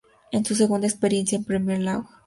Es su segunda experiencia en la Premier League.